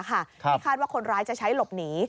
ที่คาดว่าคนร้ายจะใช้หลบหนี